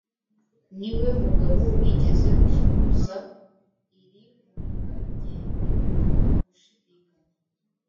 niwe mugabo wigeze gukuza iri murika ryerekana gushidikanya.